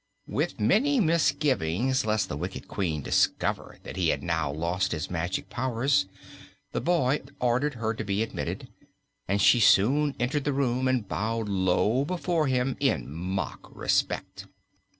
With many misgivings lest the wicked Queen discover that he had now lost his magic powers, the boy ordered her to be admitted, and she soon entered the room and bowed low before him, in mock respect.